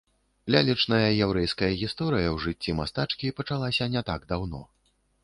Лялечная яўрэйская гісторыя ў жыцці мастачкі пачалася не так даўно.